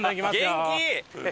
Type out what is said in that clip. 元気！